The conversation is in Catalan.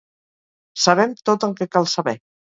Sabem tot el que cal saber.